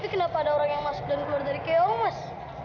tapi kenapa ada orang yang masuk dan keluar dari kiongmas